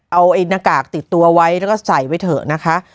เอาไอ้หน้ากากติดตัวไว้แล้วก็ใส่ไว้เถอะนะคะ